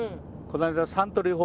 この間。